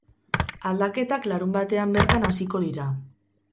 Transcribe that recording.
Aldaketak larunbatean bertan hasiko dira.